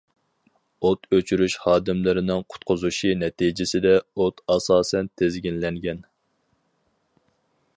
ئوت ئۆچۈرۈش خادىملىرىنىڭ قۇتقۇزۇشى نەتىجىسىدە، ئوت ئاساسەن تىزگىنلەنگەن.